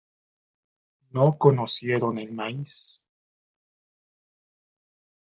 No conocieron el maíz.